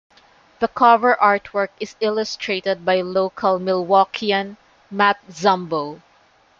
The cover artwork is illustrated by local Milwaukeean Matt Zumbo.